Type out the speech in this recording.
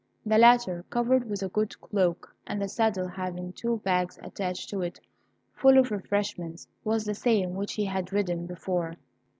The latter, covered with a good cloak, and the saddle having two bags attached to it full of refreshments, was the same which he had ridden before.